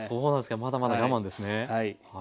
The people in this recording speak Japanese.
まだまだ我慢ですね。